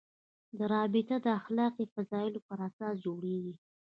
دا رابطه د اخلاقي فضایلو پر اساس جوړېږي.